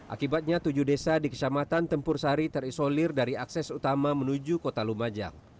akibatnya tujuh desa di kecamatan tempur sari terisolir dari akses utama menuju kota lumajang